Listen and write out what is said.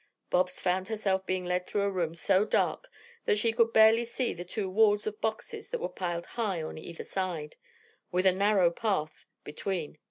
Bobs found herself being led through a room so dark that she could barely see the two walls of boxes that were piled high on either side, with a narrow path between.